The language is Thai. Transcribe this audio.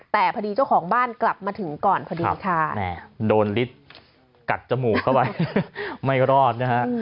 แต่พอดีเจ้าของบ้านกลับมาถึงก่อนพอดีค่ะโดนฤทธิ์กัดจมูกเข้าไปไม่รอดนะฮะ